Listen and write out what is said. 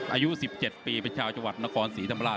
อายุ๑๗ปีเป็นชาวจังหวัดนครศรีธรรมราช